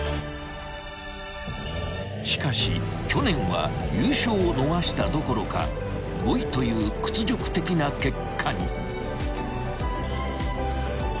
［しかし去年は優勝を逃したどころか５位という屈辱的な結果に］